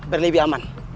baru lebih aman